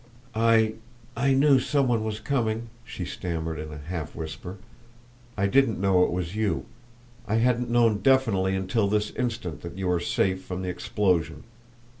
"I I knew some one was coming," she stammered in a half whisper. "I didn't know it was you; I hadn't known definitely until this instant that you were safe from the explosion.